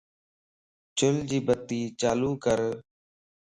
چل جي بتي چالو ڪر